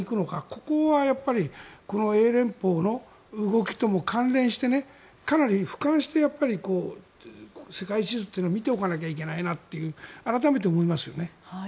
ここは英連邦の動きとも関連してかなり俯瞰して世界地図というのは見ておかなきゃいけないなと改めて思いますよね。